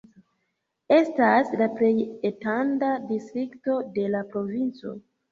Estas la plej etenda distrikto de la provinco.